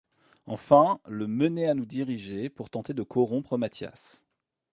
Enfin le mener à nous diriger pour tenter de corrompre Mathias.